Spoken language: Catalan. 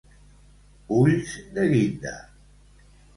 Ulls de guinda.